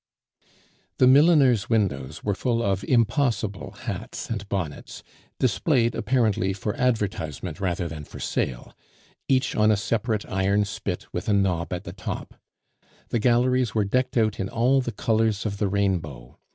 The milliners' windows were full of impossible hats and bonnets, displayed apparently for advertisement rather than for sale, each on a separate iron spit with a knob at the top. The galleries were decked out in all the colors of the rainbow.